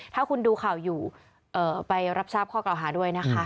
ถ้าคุณดูข่าวอยู่ไปรับทราบข้อกล่าวหาด้วยนะคะ